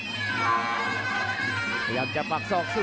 พยายามจะปักศอกสู้